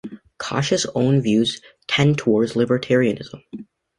Cosh's own views tend towards libertarianism.